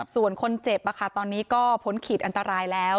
ส่วนคนเจ็บตอนนี้ก็พ้นขีดอันตรายแล้ว